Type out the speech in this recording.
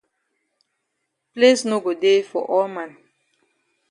Place no go dey for all man.